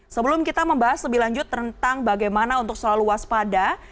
sebelum kita membahas lebih lanjut tentang bagaimana untuk selalu waspada